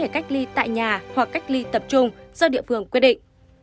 cách ly tại nhà hoặc cách ly tập trung do địa phương quyết định